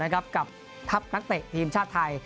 กับทัพนักเตะทีมชาติไทย